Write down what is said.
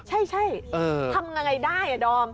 ใช่ทำยังไงได้ดอม